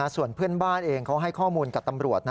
ส่วนเพื่อนบ้านเองเขาให้ข้อมูลกับตำรวจ